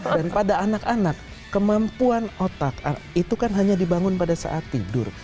dan pada anak anak kemampuan otak itu kan hanya dibangun pada saat tidur